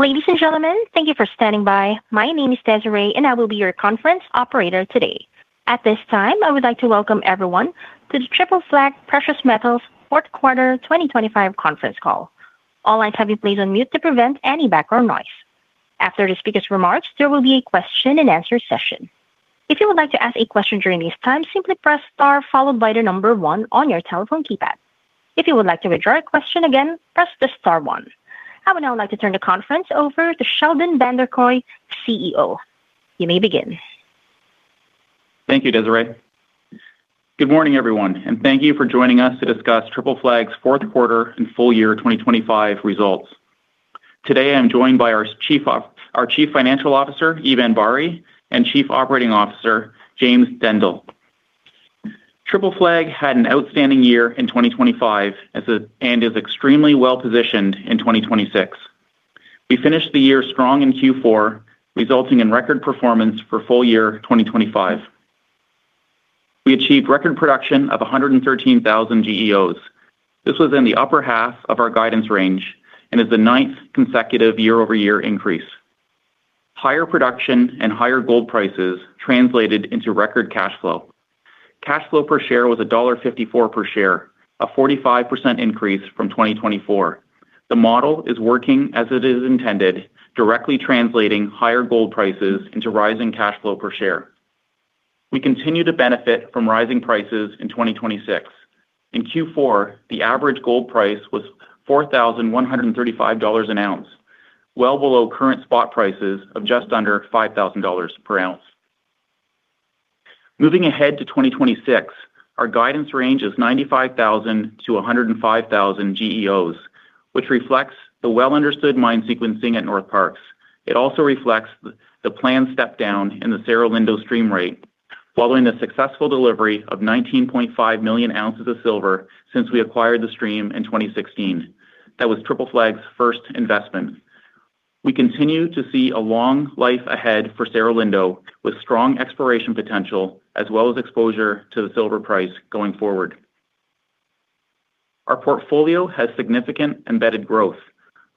Ladies and gentlemen, thank you for standing by. My name is Desiree, and I will be your conference operator today. At this time, I would like to welcome everyone to the Triple Flag Precious Metals Q4 2025 conference call. All lines have you please on mute to prevent any background noise. After the speaker's remarks, there will be a question and answer session. If you would like to ask a question during this time, simply press star followed by the number one on your telephone keypad. If you would like to withdraw a question again, press the star one. I would now like to turn the conference over to Sheldon Vanderkooy, CEO. You may begin. Thank you, Desiree. Good morning, everyone, and thank you for joining us to discuss Triple Flag's Q4 and full year 2025 results. Today, I'm joined by our Chief Financial Officer, Eban Bari, and Chief Operating Officer, James Dendle. Triple Flag had an outstanding year in 2025 as a, and is extremely well-positioned in 2026. We finished the year strong in Q4, resulting in record performance for full year 2025. We achieved record production of 113,000 GEOs. This was in the upper half of our guidance range and is the ninth consecutive year-over-year increase. Higher production and higher gold prices translated into record cash flow. Cash flow per share was $1.54 per share, a 45% increase from 2024. The model is working as it is intended, directly translating higher gold prices into rising cash flow per share. We continue to benefit from rising prices in 2026. In Q4, the average gold price was $4,135 an ounce, well below current spot prices of just under $5,000 per ounce. Moving ahead to 2026, our guidance range is 95,000-105,000 GEOs, which reflects the well-understood mine sequencing at Northparkes. It also reflects the planned step down in the Cerro Lindo stream rate, following the successful delivery of 19.5 million ounces of silver since we acquired the stream in 2016. That was Triple Flag's first investment. We continue to see a long life ahead for Cerro Lindo, with strong exploration potential, as well as exposure to the silver price going forward. Our portfolio has significant embedded growth.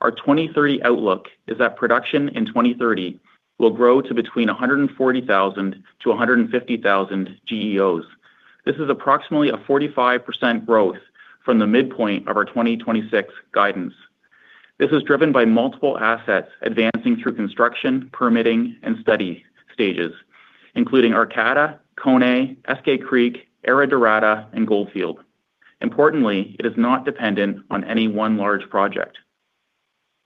Our 2030 outlook is that production in 2030 will grow to between 140,000-150,000 GEOs. This is approximately a 45% growth from the midpoint of our 2026 guidance. This is driven by multiple assets advancing through construction, permitting, and study stages, including Arcata, Koné, Eskay Creek, Aridirada, and Goldfield. Importantly, it is not dependent on any one large project.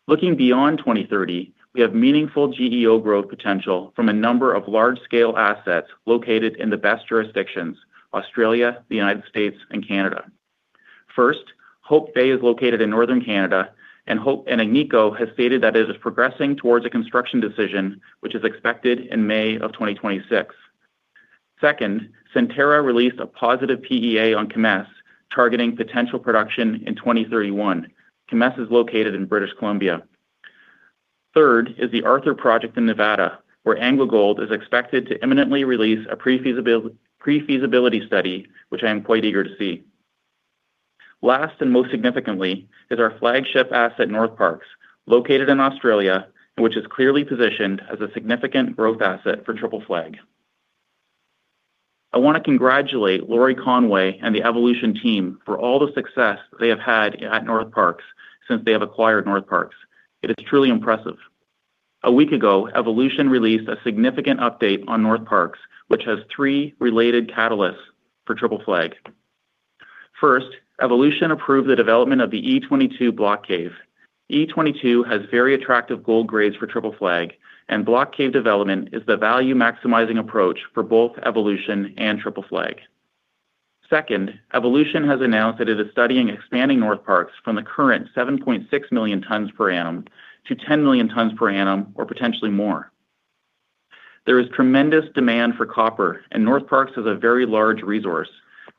Looking beyond 2030, we have meaningful GEO growth potential from a number of large-scale assets located in the best jurisdictions, Australia, the United States, and Canada. First, Hope Bay is located in northern Canada, and Agnico has stated that it is progressing towards a construction decision, which is expected in May 2026. Second, Centerra released a positive PEA on Kemess, targeting potential production in 2031. Kemess is located in British Columbia. Third is the Arthur Project in Nevada, where AngloGold is expected to imminently release a pre-feasibility study, which I am quite eager to see. Last, and most significantly, is our flagship asset, Northparkes, located in Australia, and which is clearly positioned as a significant growth asset for Triple Flag. I want to congratulate Lawrie Conway and the Evolution team for all the success they have had at Northparkes since they have acquired Northparkes. It is truly impressive. A week ago, Evolution released a significant update on Northparkes, which has three related catalysts for Triple Flag. First, Evolution approved the development of the E22 Block Cave. E22 has very attractive gold grades for Triple Flag, and Block Cave development is the value-maximizing approach for both Evolution and Triple Flag. Second, Evolution has announced that it is studying expanding Northparkes from the current 7.6 million tons per annum to 10 million tons per annum, or potentially more. There is tremendous demand for copper, and Northparkes is a very large resource,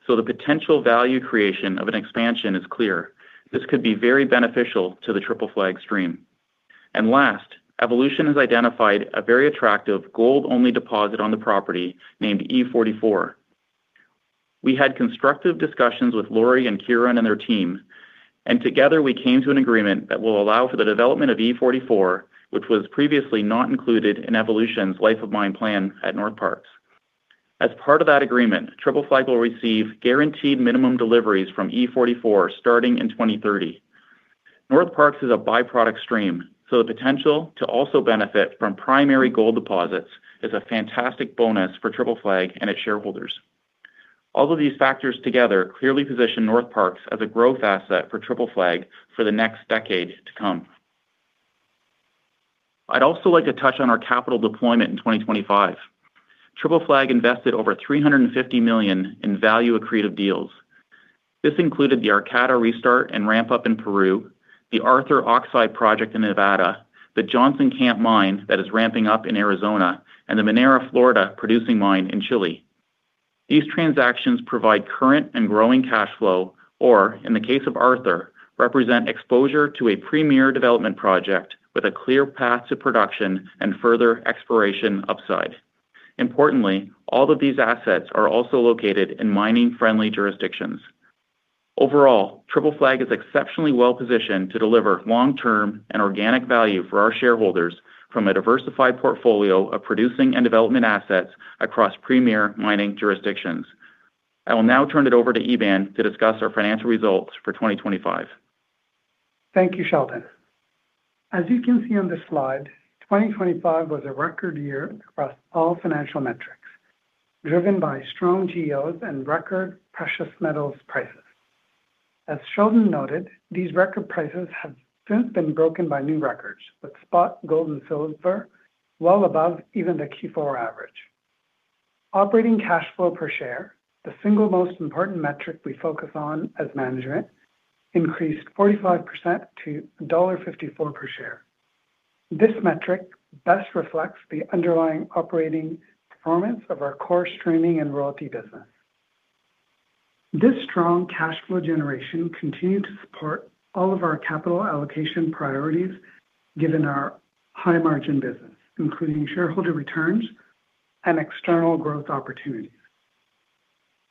so the potential value creation of an expansion is clear. This could be very beneficial to the Triple Flag stream. And last, Evolution has identified a very attractive gold-only deposit on the property named E44. We had constructive discussions with Lawrie and Kieran and their team, and together we came to an agreement that will allow for the development of E44, which was previously not included in Evolution's life of mine plan at Northparkes. As part of that agreement, Triple Flag will receive guaranteed minimum deliveries from E44, starting in 2030. Northparkes is a byproduct stream, so the potential to also benefit from primary gold deposits is a fantastic bonus for Triple Flag and its shareholders. All of these factors together clearly position Northparkes as a growth asset for Triple Flag for the next decade to come. I'd also like to touch on our capital deployment in 2025. Triple Flag invested over $350 million in value accretive deals. This included the Arcata restart and ramp up in Peru, the Arthur Oxide Project in Nevada, the Johnson Camp Mine that is ramping up in Arizona, and the Minera Florida producing mine in Chile. These transactions provide current and growing cash flow, or in the case of Arthur, represent exposure to a premier development project with a clear path to production and further exploration upside. Importantly, all of these assets are also located in mining-friendly jurisdictions. Overall, Triple Flag is exceptionally well-positioned to deliver long-term and organic value for our shareholders from a diversified portfolio of producing and development assets across premier mining jurisdictions. I will now turn it over to Eban to discuss our financial results for 2025. Thank you, Sheldon. As you can see on this slide, 2025 was a record year across all financial metrics, driven by strong GEOs and record precious metals prices. As Sheldon noted, these record prices have since been broken by new records, with spot gold and silver well above even the Q4 average. Operating cash flow per share, the single most important metric we focus on as management, increased 45% to $1.54 per share. This metric best reflects the underlying operating performance of our core streaming and royalty business. This strong cash flow generation continued to support all of our capital allocation priorities, given our high margin business, including shareholder returns and external growth opportunities.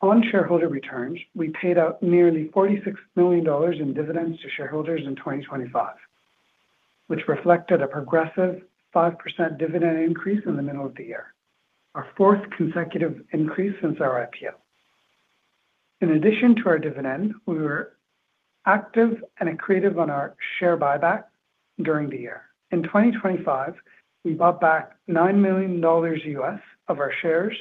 On shareholder returns, we paid out nearly $46 million in dividends to shareholders in 2025, which reflected a progressive 5% dividend increase in the middle of the year, our fourth consecutive increase since our IPO. In addition to our dividend, we were active and accretive on our share buyback during the year. In 2025, we bought back $9 million of our shares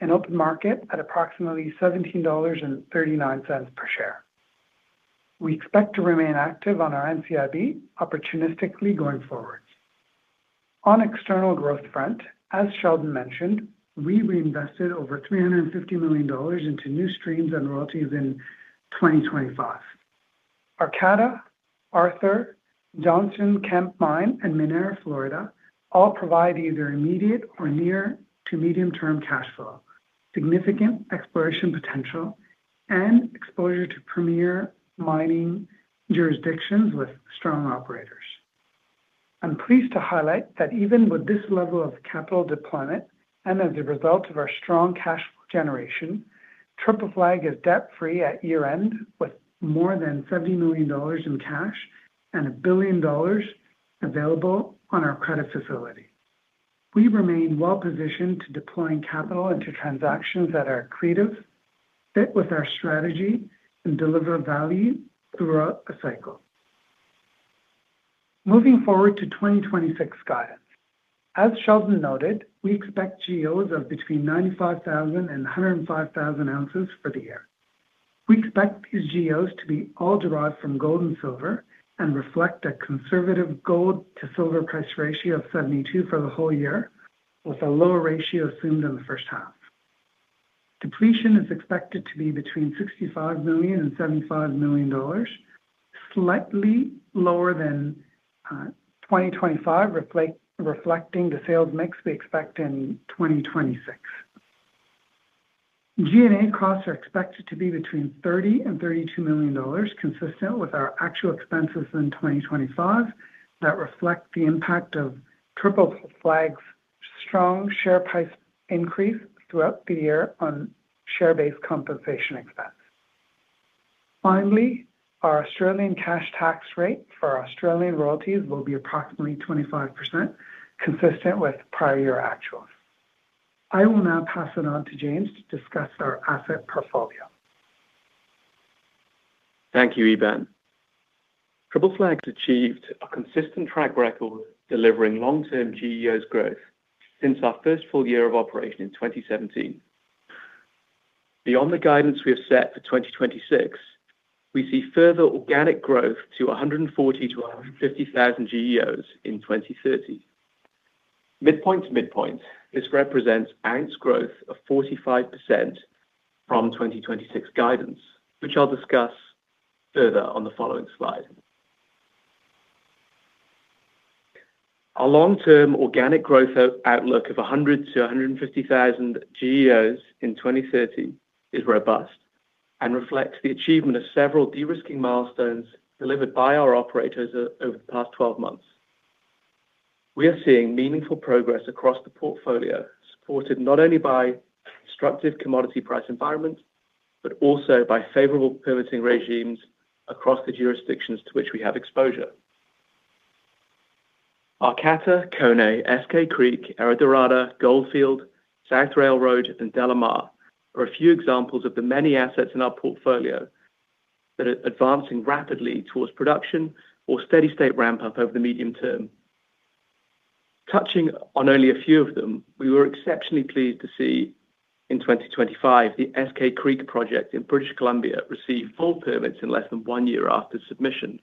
in open market at approximately $17.39 per share. We expect to remain active on our NCIB opportunistically going forward. On external growth front, as Sheldon mentioned, we reinvested over $350 million into new streams and royalties in 2025. Arcata, Arthur, Johnson, Kemess Mine, and Minera Florida, all provide either immediate or near to medium-term cash flow, significant exploration potential, and exposure to premier mining jurisdictions with strong operators. I'm pleased to highlight that even with this level of capital deployment and as a result of our strong cash flow generation, Triple Flag is debt-free at year-end, with more than $70 million in cash and $1 billion available on our credit facility. We remain well-positioned to deploying capital into transactions that are accretive, fit with our strategy, and deliver value throughout the cycle. Moving forward to 2026 guidance. As Sheldon noted, we expect GEOs of between 95,000 and 105,000 ounces for the year. We expect these GEOs to be all derived from gold and silver and reflect a conservative gold-to-silver price ratio of 72 for the whole year, with a lower ratio assumed in the first half. Depletion is expected to be between $65 million and $75 million, slightly lower than 2025, reflecting the sales mix we expect in 2026. G&A costs are expected to be between $30 million and $32 million, consistent with our actual expenses in 2025, that reflect the impact of Triple Flag's strong share price increase throughout the year on share-based compensation expense. Finally, our Australian cash tax rate for our Australian royalties will be approximately 25%, consistent with prior year actuals. I will now pass it on to James to discuss our asset portfolio. Thank you, Eban. Triple Flag has achieved a consistent track record, delivering long-term GEOs growth since our first full year of operation in 2017. Beyond the guidance we have set for 2026, we see further organic growth to 140,000-150,000 GEOs in 2030. Midpoint to midpoint, this represents annual growth of 45% from 2026 guidance, which I'll discuss further on the following slide. Our long-term organic growth outlook of 100,000-150,000 GEOs in 2030 is robust and reflects the achievement of several de-risking milestones delivered by our operators over the past 12 months. We are seeing meaningful progress across the portfolio, supported not only by constructive commodity price environments, but also by favorable permitting regimes across the jurisdictions to which we have exposure. Arcata, Kone, SK Creek, Aridirada, Goldfield, South Railroad, and Delamar are a few examples of the many assets in our portfolio that are advancing rapidly towards production or steady state ramp-up over the medium term. Touching on only a few of them, we were exceptionally pleased to see in 2025, the SK Creek project in British Columbia receive full permits in less than one year after submission,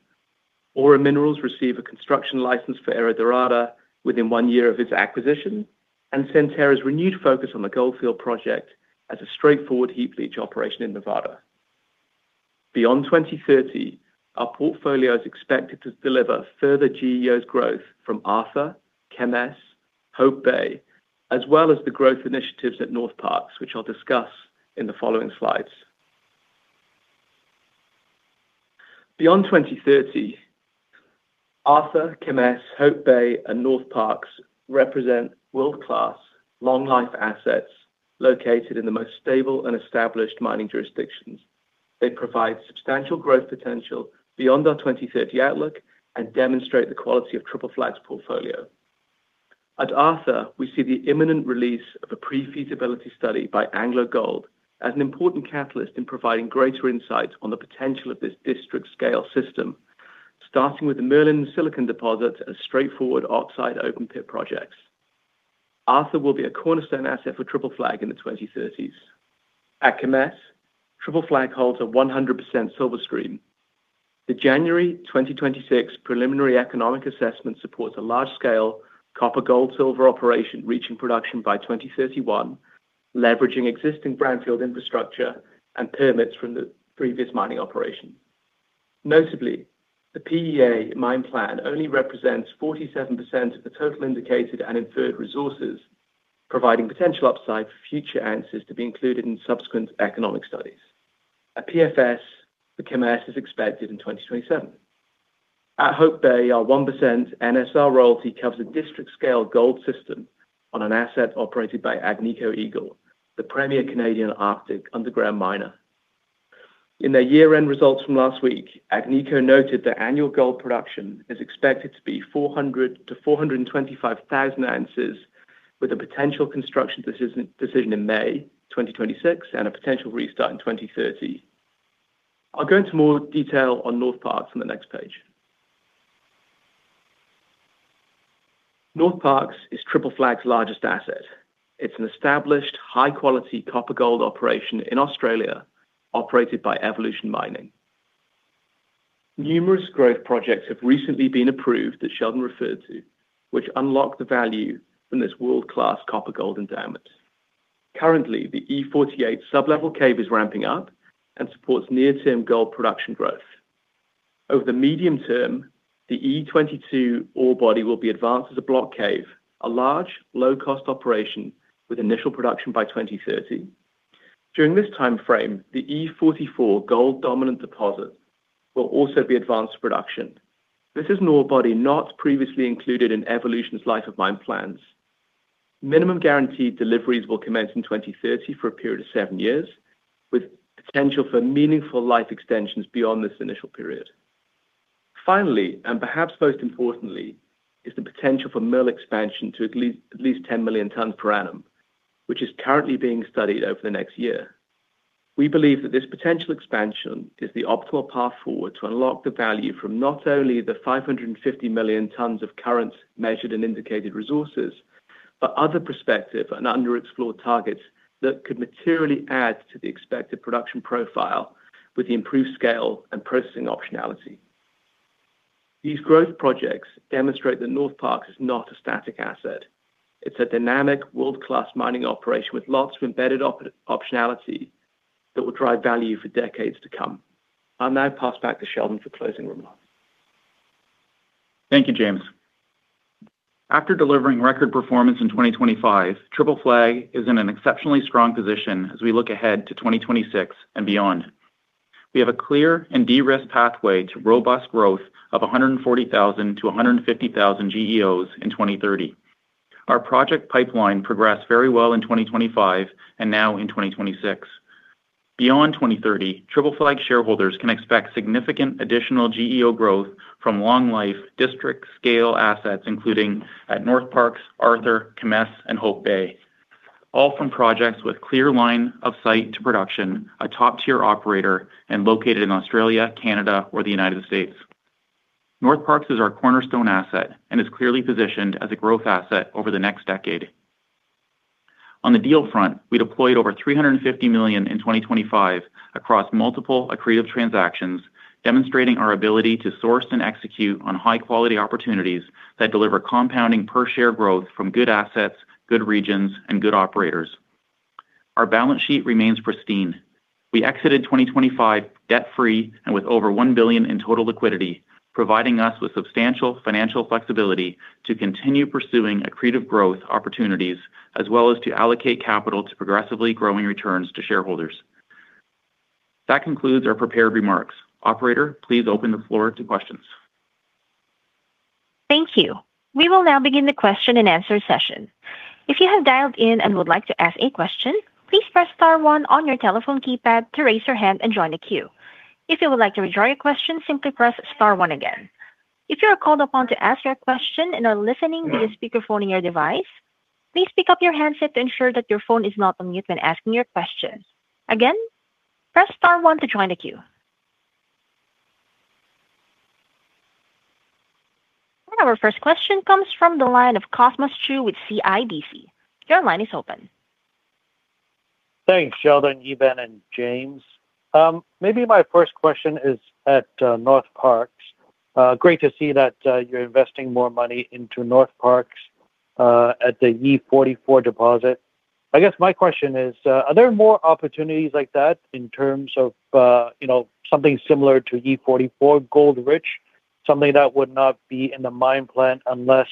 Aura Minerals receive a construction license for Aridirada within one year of its acquisition, and Centerra's renewed focus on the Goldfield project as a straightforward heap leach operation in Nevada. Beyond 2030, our portfolio is expected to deliver further GEOs growth from Arthur, Kemess, Hope Bay, as well as the growth initiatives at Northparkes, which I'll discuss in the following slides. Beyond 2030 Arthur, Kemess, Hope Bay, and Northparkes represent world-class, long-life assets located in the most stable and established mining jurisdictions. They provide substantial growth potential beyond our 2030 outlook and demonstrate the quality of Triple Flag's portfolio. At Arthur, we see the imminent release of a pre-feasibility study by AngloGold as an important catalyst in providing greater insights on the potential of this district scale system, starting with the Merlin and Silicon deposits as straightforward oxide open-pit projects. Arthur will be a cornerstone asset for Triple Flag in the 2030s. At Kemess, Triple Flag holds a 100% silver stream. The January 2026 preliminary economic assessment supports a large-scale copper, gold, silver operation, reaching production by 2031, leveraging existing brownfield infrastructure and permits from the previous mining operation. Notably, the PEA mine plan only represents 47% of the total indicated and inferred resources, providing potential upside for future answers to be included in subsequent economic studies. At PFS, the Kemess is expected in 2027. At Hope Bay, our 1% NSR royalty covers a district-scale gold system on an asset operated by Agnico Eagle, the premier Canadian Arctic underground miner. In their year-end results from last week, Agnico noted their annual gold production is expected to be 400-425,000 ounces, with a potential construction decision in May 2026 and a potential restart in 2030. I'll go into more detail on Northparkes on the next page. Northparkes is Triple Flag's largest asset. It's an established, high-quality copper-gold operation in Australia, operated by Evolution Mining. Numerous growth projects have recently been approved, that Sheldon referred to, which unlock the value from this world-class copper-gold endowment. Currently, the E48 sub-level cave is ramping up and supports near-term gold production growth. Over the medium term, the E22 ore body will be advanced as a block cave, a large, low-cost operation with initial production by 2030. During this timeframe, the E44 gold-dominant deposit will also be advanced to production. This is an ore body not previously included in Evolution's life of mine plans. Minimum guaranteed deliveries will commence in 2030 for a period of seven years, with potential for meaningful life extensions beyond this initial period. Finally, and perhaps most importantly, is the potential for mill expansion to at least, at least 10 million tons per annum, which is currently being studied over the next year. We believe that this potential expansion is the optimal path forward to unlock the value from not only the 550 million tons of current measured and indicated resources, but other prospective and underexplored targets that could materially add to the expected production profile with the improved scale and processing optionality. These growth projects demonstrate that Northparkes is not a static asset. It's a dynamic, world-class mining operation with lots of embedded optionality that will drive value for decades to come. I'll now pass back to Sheldon for closing remarks. Thank you, James. After delivering record performance in 2025, Triple Flag is in an exceptionally strong position as we look ahead to 2026 and beyond. We have a clear and de-risked pathway to robust growth of 140,000-150,000 GEOs in 2030. Our project pipeline progressed very well in 2025 and now in 2026. Beyond 2030, Triple Flag shareholders can expect significant additional GEO growth from long-life, district-scale assets, including at Northparkes, Arthur, Kemess, and Hope Bay, all from projects with clear line of sight to production, a top-tier operator, and located in Australia, Canada, or the United States. Northparkes is our cornerstone asset and is clearly positioned as a growth asset over the next decade. On the deal front, we deployed over $350 million in 2025 across multiple accretive transactions, demonstrating our ability to source and execute on high-quality opportunities that deliver compounding per-share growth from good assets, good regions, and good operators. Our balance sheet remains pristine. We exited 2025 debt-free and with over $1 billion in total liquidity, providing us with substantial financial flexibility to continue pursuing accretive growth opportunities, as well as to allocate capital to progressively growing returns to shareholders. That concludes our prepared remarks. Operator, please open the floor to questions. Thank you. We will now begin the question-and-answer session. If you have dialed in and would like to ask a question, please press star one on your telephone keypad to raise your hand and join the queue. If you would like to withdraw your question, simply press star one again. If you are called upon to ask your question and are listening via speakerphone in your device, please pick up your handset to ensure that your phone is not on mute when asking your question. Again, press star one to join the queue. Our first question comes from the line of Cosmos Chiu with CIBC. Your line is open. Thanks, Sheldon, Eban, and James. Maybe my first question is at Northparkes. Great to see that you're investing more money into Northparkes at the E44 deposit. I guess my question is, are there more opportunities like that in terms of, you know, something similar to E44, gold-rich, something that would not be in the mine plan unless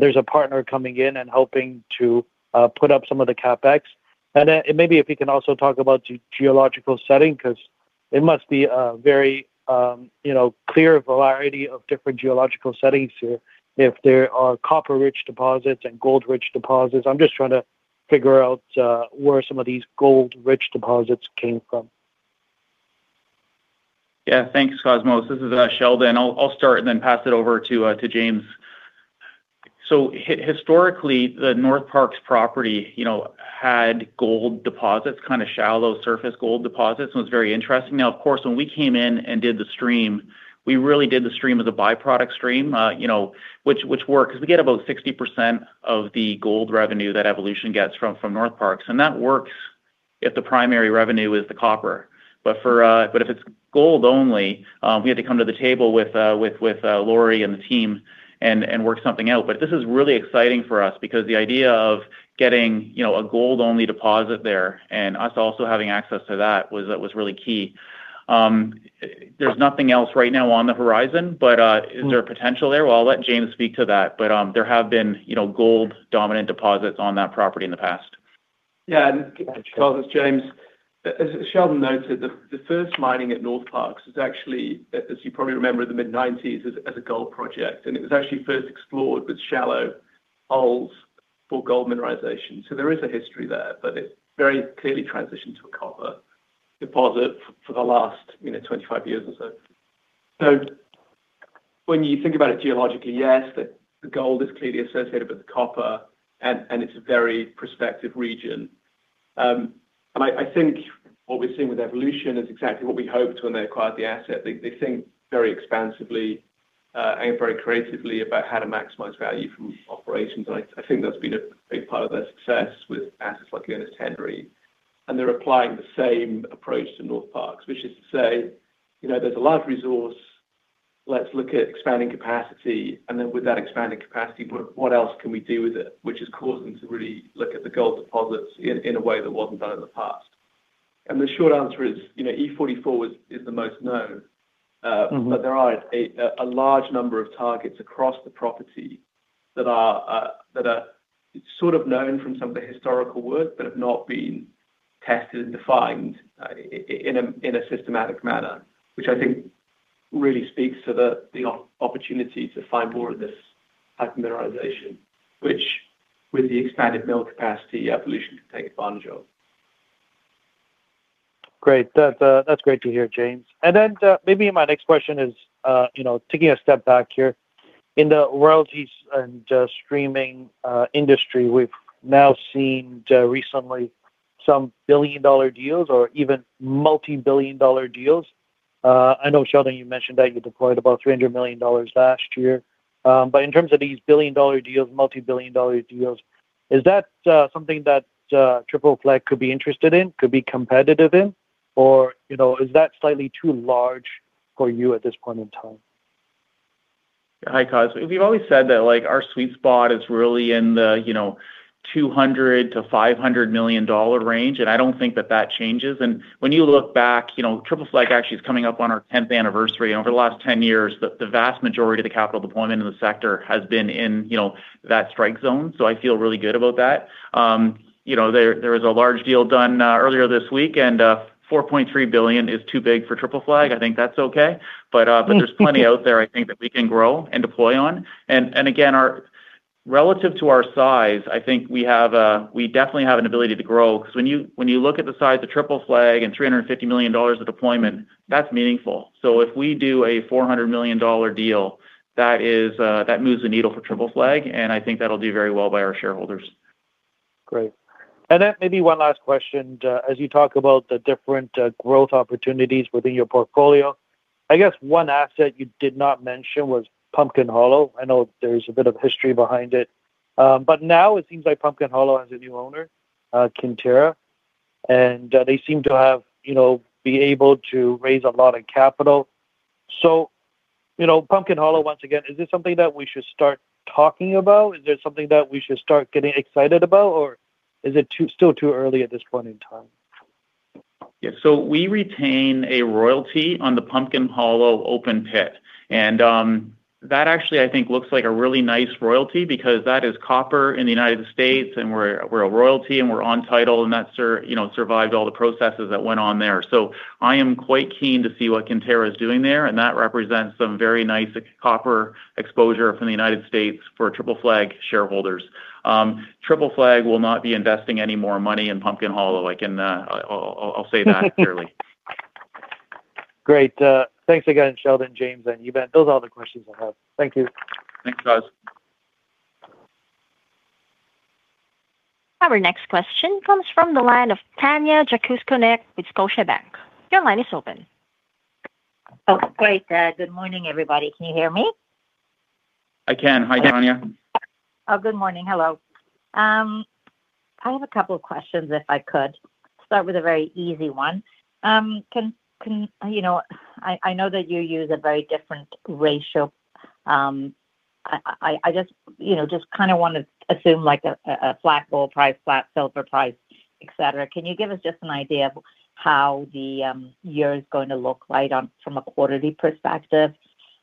there's a partner coming in and helping to put up some of the CapEx. And then maybe if you can also talk about geological setting, 'cause it must be a very, you know, clear variety of different geological settings here, if there are copper-rich deposits and gold-rich deposits. I'm just trying to figure out where some of these gold-rich deposits came from. Yeah. Thanks, Cosmos. This is Sheldon. I'll start and then pass it over to James. Historically, the Northparkes property, you know, had gold deposits, kinda shallow surface gold deposits, and it was very interesting. Now, of course, when we came in and did the stream, we really did the stream as a byproduct stream, you know, which worked 'cause we get about 60% of the gold revenue that Evolution Mining gets from Northparkes. And that works if the primary revenue is the copper. But if it's gold only, we had to come to the table with Lawrie and the team and work something out. But this is really exciting for us because the idea of getting, you know, a gold-only deposit there and us also having access to that was really key. There's nothing else right now on the horizon, but is there a potential there? Well, I'll let James speak to that, but there have been, you know, gold-dominant deposits on that property in the past. Yeah, and Cosmos, James. As Sheldon noted, the first mining at Northparkes is actually, as you probably remember, the mid-1990s, as a gold project, and it was actually first explored with shallow holes for gold mineralization. So there is a history there, but it very clearly transitioned to a copper deposit for the last, you know, 25 years or so. So when you think about it geologically, yes, the gold is clearly associated with the copper, and it's a very prospective region. And I think what we've seen with Evolution is exactly what we hoped when they acquired the asset. They think very expansively, and very creatively about how to maximize value from operations, and I think that's been a big part of their success with assets like Ernest Henry. And they're applying the same approach to Northparkes, which is to say, you know, there's a large resource, let's look at expanding capacity, and then with that expanded capacity, what, what else can we do with it? Which has caused them to really look at the gold deposits in a way that wasn't done in the past. And the short answer is, you know, E44 is the most known. Mm-hmm... but there are a large number of targets across the property that are sort of known from some of the historical work, but have not been tested and defined in a systematic manner, which I think really speaks to the opportunity to find more of this type of mineralization, which, with the expanded mill capacity, Evolution can take advantage of. Great. That's, that's great to hear, James. And then, maybe my next question is, you know, taking a step back here. In the royalties and, streaming, industry, we've now seen, recently some billion-dollar deals or even multi-billion dollar deals. I know, Sheldon, you mentioned that you deployed about $300 million last year, but in terms of these billion-dollar deals, multi-billion dollar deals, is that, something that, Triple Flag could be interested in, could be competitive in, or, you know, is that slightly too large for you at this point in time? Hi, Cos. We've always said that, like, our sweet spot is really in the, you know, $200-500 million range, and I don't think that that changes. And when you look back, you know, Triple Flag actually is coming up on our 10th anniversary. Over the last 10 years, the vast majority of the capital deployment in the sector has been in, you know, that strike zone. So I feel really good about that. You know, there was a large deal done earlier this week, and four point three billion is too big for Triple Flag. I think that's okay, but, Mm-hmm... but there's plenty out there I think that we can grow and deploy on. And again, our relative to our size, I think we have, we definitely have an ability to grow, 'cause when you, when you look at the size of Triple Flag and $350 million of deployment, that's meaningful. So if we do a $400 million deal, that is, that moves the needle for Triple Flag, and I think that'll do very well by our shareholders. Great. And then maybe one last question, as you talk about the different growth opportunities within your portfolio. I guess one asset you did not mention was Pumpkin Hollow. I know there's a bit of history behind it, but now it seems like Pumpkin Hollow has a new owner, Kinterra, and they seem to have, you know, be able to raise a lot of capital. So, you know, Pumpkin Hollow, once again, is this something that we should start talking about? Is this something that we should start getting excited about, or is it too-- still too early at this point in time? Yeah. So we retain a royalty on the Pumpkin Hollow open pit, and that actually, I think, looks like a really nice royalty because that is copper in the United States, and we're a royalty, and we're on title, and that you know, survived all the processes that went on there. So I am quite keen to see what Kinterra is doing there, and that represents some very nice copper exposure from the United States for Triple Flag shareholders. Triple Flag will not be investing any more money in Pumpkin Hollow. I can, I'll say that clearly. Great. Thanks again, Sheldon, James, and Eban. Those are all the questions I have. Thank you. Thanks, Cos. Our next question comes from the line of Tanya Jakusconek with Scotiabank. Your line is open. Oh, great. Good morning, everybody. Can you hear me? I can. Hi, Tanya. Good morning. Hello. I have a couple of questions, if I could. Start with a very easy one. Can you know, I just, you know, just kinda wanna assume, like, a flat gold price, flat silver price, et cetera. Can you give us just an idea of how the year is going to look like from a quarterly perspective?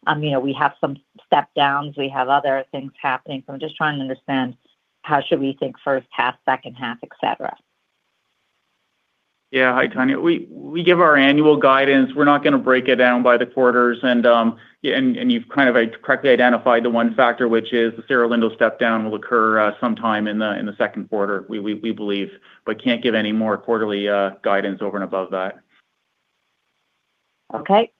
You know, we have some step downs, we have other things happening, so I'm just trying to understand how should we think first half, second half, et cetera? ... Yeah. Hi, Tanya. We give our annual guidance; we're not going to break it down by the quarters. And yeah, and you've kind of correctly identified the one factor, which is the Cerro Lindo step down will occur sometime in the Q2, we believe, but can't give any more quarterly guidance over and above that. Okay.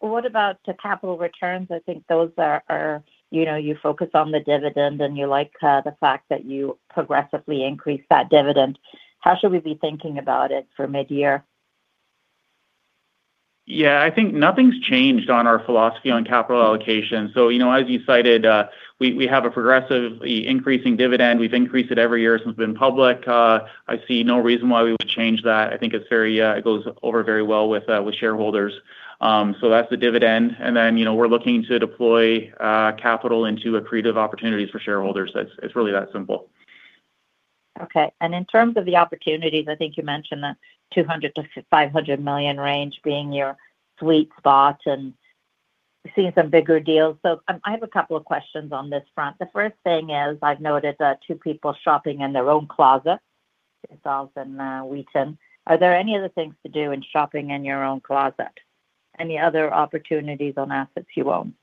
What about the capital returns? I think those are, you know, you focus on the dividend, and you like, the fact that you progressively increase that dividend. How should we be thinking about it for mid-year? Yeah, I think nothing's changed on our philosophy on capital allocation. So, you know, as you cited, we have a progressively increasing dividend. We've increased it every year since we've been public. I see no reason why we would change that. I think it's very, it goes over very well with, with shareholders. So that's the dividend. And then, you know, we're looking to deploy capital into accretive opportunities for shareholders. It's really that simple. Okay. And in terms of the opportunities, I think you mentioned the $200-500 million range being your sweet spot and seeing some bigger deals. So, I have a couple of questions on this front. The first thing is, I've noted, two people shopping in their own closet, Sandstorm and, Wheaton. Are there any other things to do in shopping in your own closet? Any other opportunities on assets you own?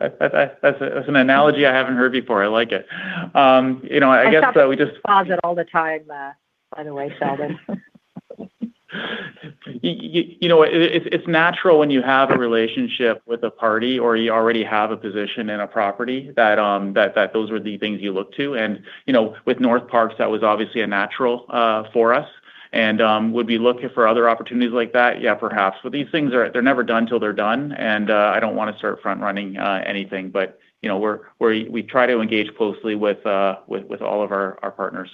That's an analogy I haven't heard before. I like it. You know, I guess we just- I shop in the closet all the time, by the way, Sheldon. You know, it's natural when you have a relationship with a party, or you already have a position in a property, that those are the things you look to. And, you know, with Northparkes, that was obviously a natural for us. And, would we be looking for other opportunities like that? Yeah, perhaps. But these things are, they're never done till they're done, and, I don't want to start front running anything. But, you know, we're—we try to engage closely with all of our partners.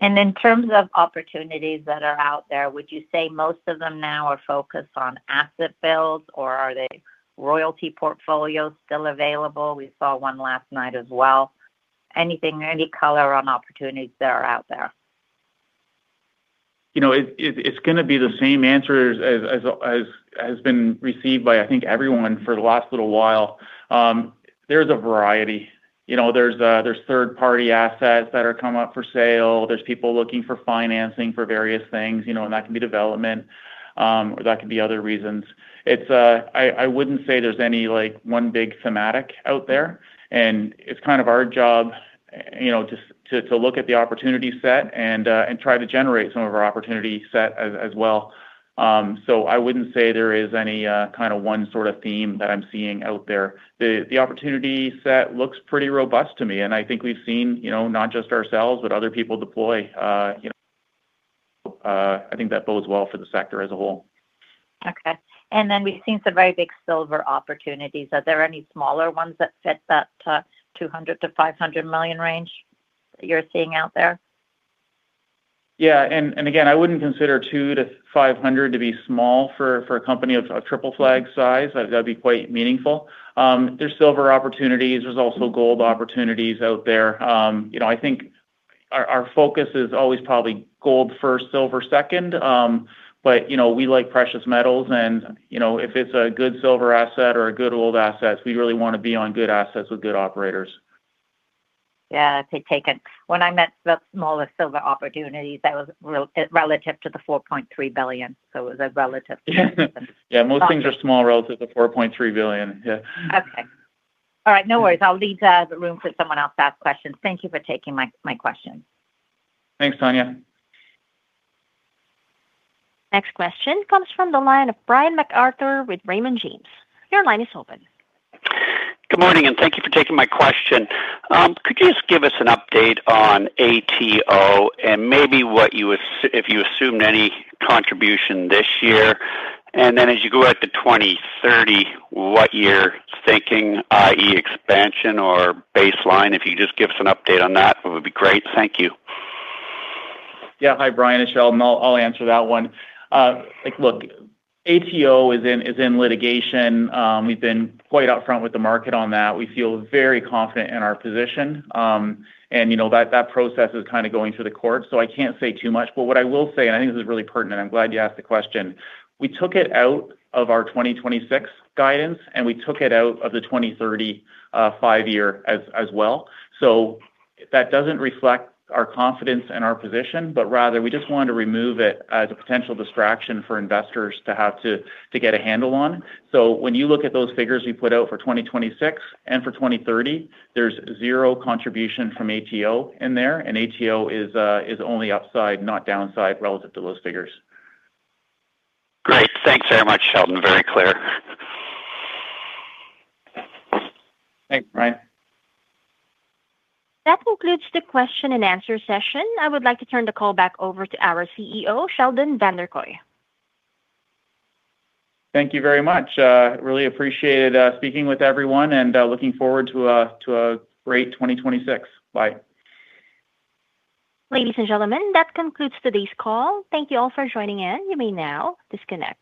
In terms of opportunities that are out there, would you say most of them now are focused on asset builds, or are they royalty portfolios still available? We saw one last night as well. Anything, any color on opportunities that are out there? You know, it's going to be the same answer as has been received by, I think, everyone for the last little while. There's a variety. You know, there's third-party assets that are coming up for sale. There's people looking for financing for various things, you know, and that can be development, or that could be other reasons. It's, I wouldn't say there's any, like, one big thematic out there, and it's kind of our job, you know, to look at the opportunity set and try to generate some of our opportunity set as well. So I wouldn't say there is any kind of one sort of theme that I'm seeing out there. The opportunity set looks pretty robust to me, and I think we've seen, you know, not just ourselves, but other people deploy. You know, I think that bodes well for the sector as a whole. Okay. And then we've seen some very big silver opportunities. Are there any smaller ones that fit that $200-500 million range you're seeing out there? Yeah, and, and again, I wouldn't consider 200-500 to be small for, for a company of Triple Flag size. That'd be quite meaningful. There's silver opportunities. There's also gold opportunities out there. You know, I think our, our focus is always probably gold first, silver second. But, you know, we like precious metals, and, you know, if it's a good silver asset or a good gold asset, we really want to be on good assets with good operators. Yeah, taken. When I meant the smallest silver opportunities, that was relative to the $4.3 billion, so it was a relative. Yeah, most things are small relative to $4.3 billion. Yeah. Okay. All right, no worries. I'll leave the room for someone else to ask questions. Thank you for taking my, my question. Thanks, Tanya. Next question comes from the line of Brian MacArthur with Raymond James. Your line is open. Good morning, and thank you for taking my question. Could you just give us an update on ATO and maybe what you assumed any contribution this year? And then as you go out to 2030, what you're thinking, i.e., expansion or baseline? If you just give us an update on that, that would be great. Thank you. Yeah. Hi, Brian, it's Sheldon. I'll answer that one. Look, ATO is in litigation. We've been quite upfront with the market on that. We feel very confident in our position. And, you know, that process is kind of going through the court, so I can't say too much. But what I will say, and I think this is really pertinent, I'm glad you asked the question: We took it out of our 2026 guidance, and we took it out of the 2030 five-year as well. So that doesn't reflect our confidence and our position, but rather we just wanted to remove it as a potential distraction for investors to have to get a handle on. When you look at those figures we put out for 2026 and for 2030, there's zero contribution from ATO in there, and ATO is only upside, not downside, relative to those figures. Great. Thanks very much, Sheldon. Very clear. Thanks, Brian. That concludes the question and answer session. I would like to turn the call back over to our CEO, Sheldon Vanderkooy. Thank you very much. Really appreciated speaking with everyone, and looking forward to a great 2026. Bye. Ladies and gentlemen, that concludes today's call. Thank you all for joining in. You may now disconnect.